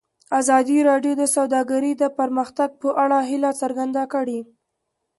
ازادي راډیو د سوداګري د پرمختګ په اړه هیله څرګنده کړې.